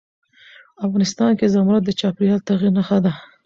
افغانستان کې زمرد د چاپېریال د تغیر نښه ده.